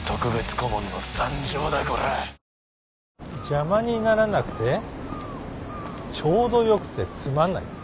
邪魔にならなくてちょうどよくてつまんない。